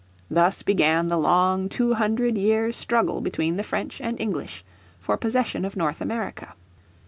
Thus began the long two hundred years' struggle between the French and English for possession of North America.